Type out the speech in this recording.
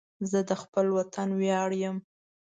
زه د خپل وطن ویاړ یم